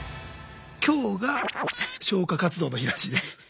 今日が消火活動の日らしいです。